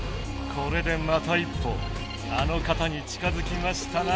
これでまた一歩あの方に近づきましたな